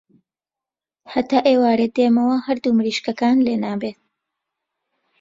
هەتا ئێوارێ دێمەوە هەردوو مریشکەکان لێنابێ.